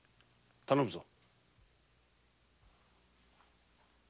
頼むぞ。